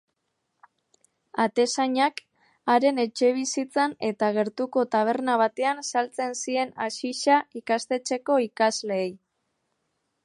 Atezainak haren etxebizitzan eta gertuko taberna batean saltzen zien haxixa ikastetxeko ikasleei.